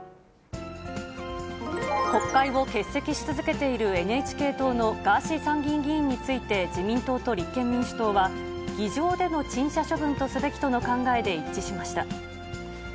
国会を欠席し続けているＮＨＫ党のガーシー参議院議員について自民党と立憲民主党は、議場での陳謝処分とすべきとの考えで一致しました。